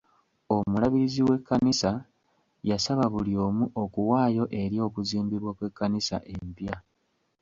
Omulabirizi w'ekkanisa yasaba buli omu okuwaayo eri okuzimbibwa kw'ekkanisa empya.